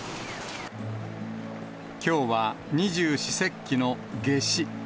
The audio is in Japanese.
きょうは二十四節気の夏至。